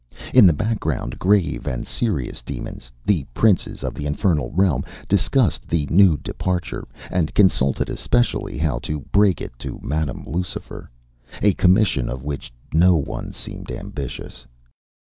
In the background grave and serious demons, the princes of the infernal realm, discussed the new departure, and consulted especially how to break it to Madam Lucifer a commission of which no one seemed ambitious.